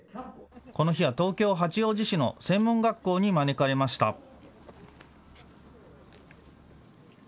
この日は東京・八王子市の専門学校に招かれました。